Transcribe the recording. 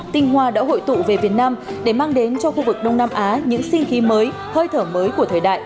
tinh hoa đã hội tụ về việt nam để mang đến cho khu vực đông nam á những sinh khí mới hơi thở mới của thời đại